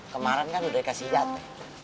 kemaren kan udah dikasih jatuh